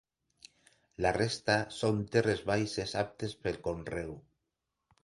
La resta són terres baixes aptes pel conreu.